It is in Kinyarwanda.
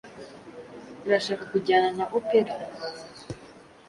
Urashaka kujyana na opera?